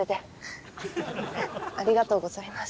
ありがとうございます。